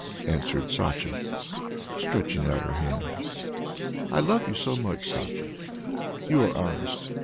answered Sacha, stretching out her hand. "I love you much, Sacha; you are honest.